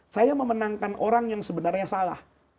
saya memenangkan orang yang sebenarnya salah